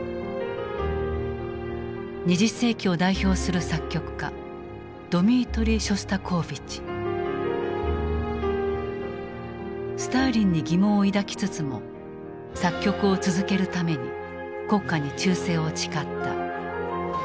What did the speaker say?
２０世紀を代表する作曲家スターリンに疑問を抱きつつも作曲を続けるために国家に忠誠を誓った。